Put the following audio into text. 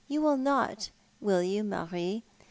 You will not, will }ou, Marie?